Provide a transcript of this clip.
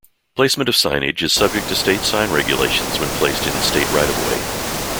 Placement of signage is subject to State sign regulations when placed in State right-of-way.